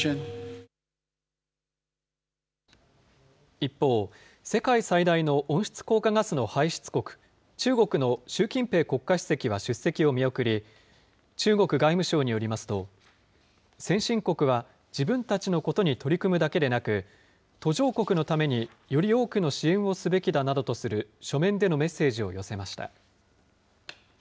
一方、世界最大の温室効果ガスの排出国、中国の習近平国家主席は出席を見送り、中国外務省によりますと、先進国は自分たちのことに取り組むだけでなく、途上国のためにより多くの支援をすべきだなどとする書面でのメッセージを寄せました。